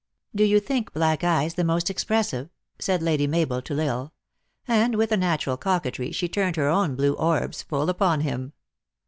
" Do you think black eyes the most expressive?" said Lady Mabel to L Isle ; and, with a natural coquetry, she turned her own blue orbs full upon him.